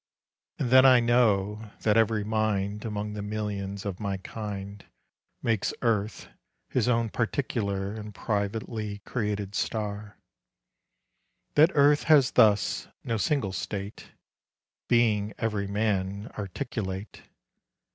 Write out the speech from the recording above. And then I know that every mind Among the millions of my kind Makes earth his own particular And privately created star, That earth has thus no single state, Being every man articulate.